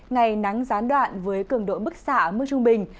ngày nắng gián đoạn với cường độ bức xạ ở mức trung bình